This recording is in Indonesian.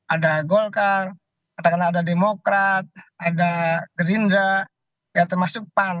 ada golkar katakanlah ada demokrat ada gerindra ya termasuk pan